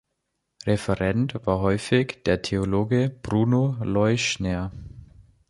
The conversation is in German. Referent war häufig der Theologe Bruno Leuschner.